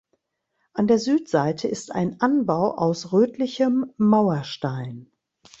An der Südseite ist ein Anbau aus rötlichem Mauerstein.